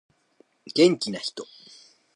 元気な人